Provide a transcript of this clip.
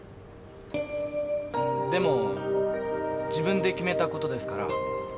でも自分で決めたことですから。